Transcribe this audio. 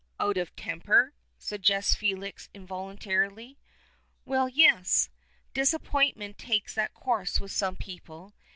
"Out of temper," suggests Felix involuntarily. "Well, yes. Disappointment takes that course with some people.